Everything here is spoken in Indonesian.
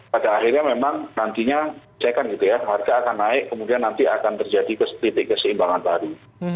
pada akhirnya memang nantinya cekan gitu ya harga akan naik kemudian nanti akan terjadi titik keseimbangan baru